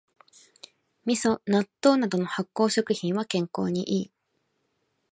みそ、納豆などの発酵食品は健康にいい